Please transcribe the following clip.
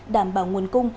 đảm bảo nguồn cung